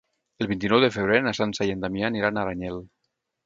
El vint-i-nou de febrer na Sança i en Damià aniran a Aranyel.